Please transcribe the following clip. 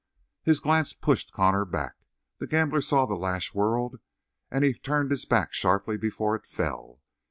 His glance pushed Connor back; the gambler saw the lash whirled, and he turned his back sharply before it fell.